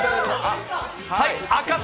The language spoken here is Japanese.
赤坂